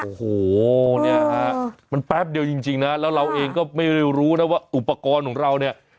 โอ้โหเนี่ยฮะมันแป๊บเดียวจริงนะแล้วเราเองก็ไม่รู้นะว่าอุปกรณ์ของเราเนี่ย